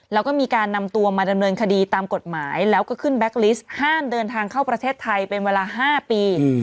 แล้วก็มีการนำตัวมาดำเนินคดีตามกฎหมายแล้วก็ขึ้นแบ็คลิสต์ห้ามเดินทางเข้าประเทศไทยเป็นเวลา๕ปี